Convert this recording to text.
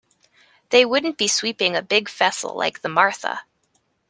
They wouldn't be sweeping a big vessel like the Martha.